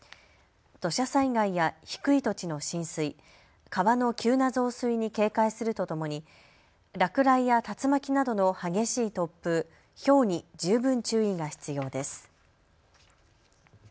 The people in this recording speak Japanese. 土砂災害や低い土地の浸水、川の急な増水に警戒するとともに落雷や竜巻などの激しい突風、ひょうに十分注意が必要です。